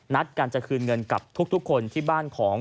นัดกันจะคืนเงินกับทุกคนที่บ้านของ